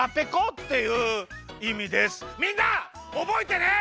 みんなおぼえてね！